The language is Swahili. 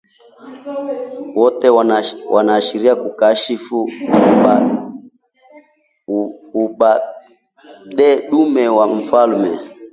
wote wanashirikiana kuukashifu ubabedume wa Mfalme